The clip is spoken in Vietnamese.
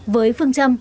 với phương châm